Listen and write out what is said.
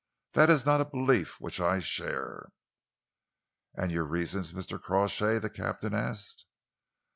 That is not a belief which I share." "And your reasons, Mr. Crawshay?" the captain asked.